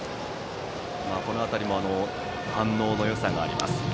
この辺りも反応のよさがあります。